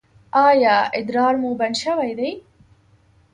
ایا ادرار مو بند شوی دی؟